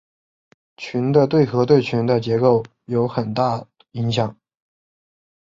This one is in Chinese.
群的对合对群的结构有很大影响。